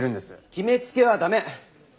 決めつけは駄目。